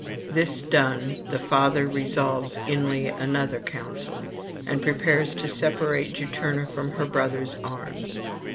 This done, the Father revolves inly another counsel, and prepares to separate Juturna from her brother's arms.